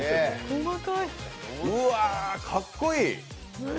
うわ、かっこいい。